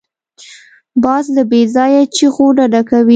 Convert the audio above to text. باز له بېځایه چیغو ډډه کوي